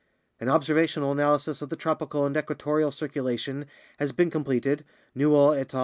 An observational analysis of the tropical and equatorial circulation has been completed (Newell et al.